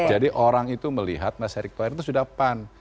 jadi orang itu melihat mas erik thohir itu sudah span